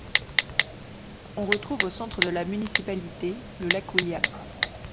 On retrouve au centre de la municipalité le lac William.